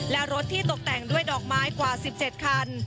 และรถที่ตกแต่งด้วยดอกไม้กว่า๑๗คัน